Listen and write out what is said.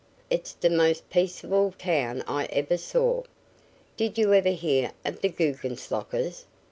It's d'most peaceable town I ever saw." "Did you ever hear of the Guggenslockers?"